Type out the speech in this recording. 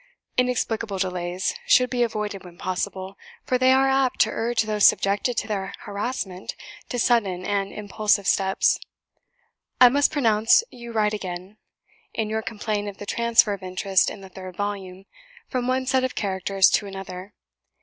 Inexplicable delays should be avoided when possible, for they are apt to urge those subjected to their harassment to sudden and impulsive steps. I must pronounce you right again, in your complaint of the transfer of interest in the third volume, from one set of characters to another.